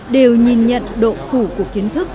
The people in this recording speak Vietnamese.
đều nhìn nhận độ phủ của kiến thức